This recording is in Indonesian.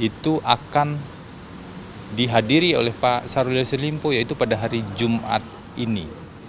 itu akan dihadiri oleh pak sarulia selimpo yaitu pada hari jumat ini